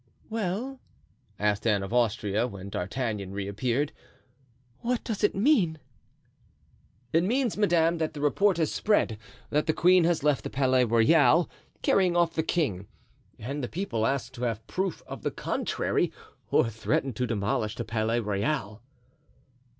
"Well," asked Anne of Austria, when D'Artagnan reappeared, "what does it mean?" "It means, madame, that the report has spread that the queen has left the Palais Royal, carrying off the king, and the people ask to have proof to the contrary, or threaten to demolish the Palais Royal."